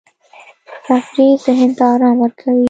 تفریح ذهن ته آرام ورکوي.